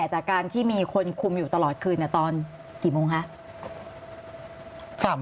จากการที่มีคนคุมอยู่ตลอดคืนตอนกี่โมงคะ